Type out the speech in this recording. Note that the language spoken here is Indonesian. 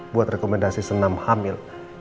buat rekomendasi senam hamil